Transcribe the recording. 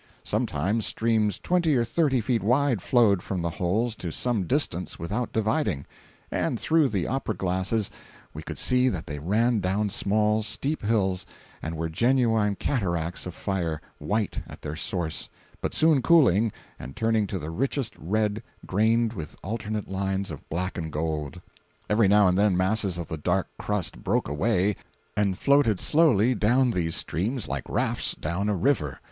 Sometimes streams twenty or thirty feet wide flowed from the holes to some distance without dividing—and through the opera glasses we could see that they ran down small, steep hills and were genuine cataracts of fire, white at their source, but soon cooling and turning to the richest red, grained with alternate lines of black and gold. Every now and then masses of the dark crust broke away and floated slowly down these streams like rafts down a river.